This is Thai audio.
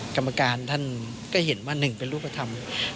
กรรมการท่านก็เห็นว่าหนึ่งเป็นรูปธรรม